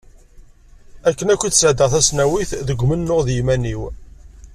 Akken akk i d-sɛeddaɣ tasnawit, deg umennuɣ d yiman-iw.